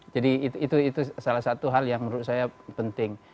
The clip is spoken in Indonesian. itu salah satu hal yang menurut saya penting